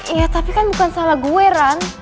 iya tapi kan bukan salah gue kan